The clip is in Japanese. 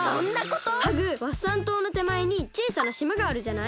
ハグワッサンとうのてまえにちいさなしまがあるじゃない？